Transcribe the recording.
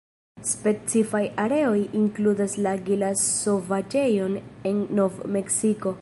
Specifaj areoj inkludas la Gila-Sovaĝejon en Nov-Meksiko.